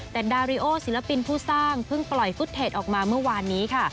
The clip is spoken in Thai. แต่ดาริโอศิลปินผู้สร้างเพิ่งปล่อยฟุตเทจออกมาเมื่อวานนี้ค่ะ